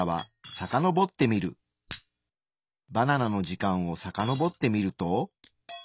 バナナの時間をさかのぼってみると。